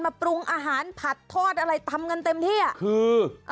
มาปรุงอาหารผัดทอดอะไรทำเงินเต็มที่อ่ะคือเออ